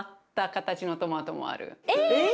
えっ！